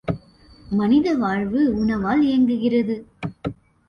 மனித வாழ்வு உணவால் இயங்குகிறது.